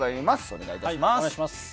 お願いいたします。